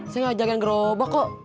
saya ngejagain gerobak kok